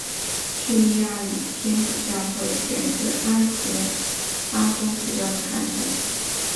叙利亚礼天主教会源自安提阿宗主教的传承。